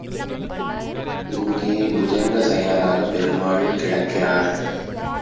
இங்கே புஜங்க சயனராக பெருமாள் கிடக்கிறார்.